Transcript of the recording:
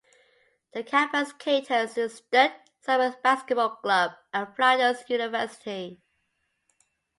The campus caters to the Sturt Sabres Basketball Club and Flinders University.